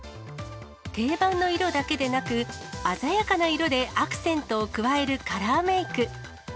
定番の色だけでなく、鮮やかな色でアクセントを加えるカラーメーク。